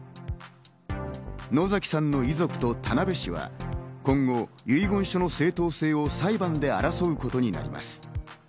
野崎さんの遺族と田辺市は、今後、遺言書の正当性を裁判で争うことになります。